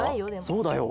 そうだよ。